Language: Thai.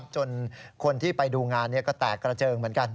จนคนที่ไปดูงานก็แตกกระเจิงเหมือนกัน